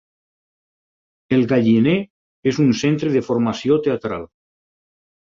El Galliner és un centre de formació teatral.